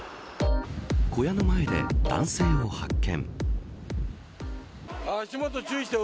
小屋の前で男性を発見。